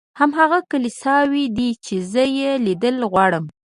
هماغه کلیساوې دي چې زه یې لیدل غواړم.